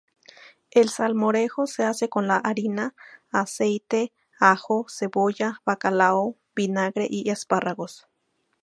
El salmorejo se hace con harina, aceite, ajo, cebolla, bacalao, vinagre y espárragos.